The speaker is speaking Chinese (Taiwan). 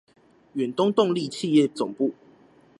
遠東動力企業總部